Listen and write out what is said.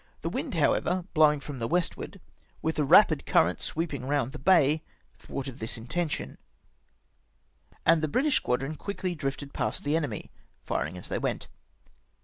The Avind,' however, blowing from the westward, with a rapid current sweeping round the bay, thwarted this intention, and the British squadron quickly drifted past the enemy, firing as they went.